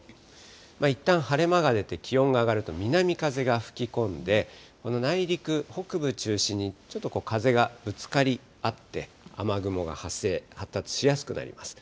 いったん晴れ間が出て、気温が上がると南風が吹き込んで、この内陸、北部中心にちょっと風がぶつかり合って雨雲が発生、発達しやすくなります。